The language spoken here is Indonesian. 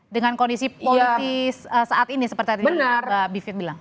dengan kondisi politis saat ini seperti yang pak bivitri bilang